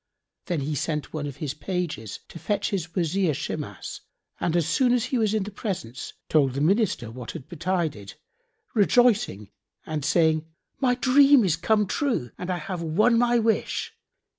Then he sent one of his pages to fetch his Wazir Shimas and as soon as he was in the presence told the Minister what had betided, rejoicing and saying, "My dream is come true and I have won my wish.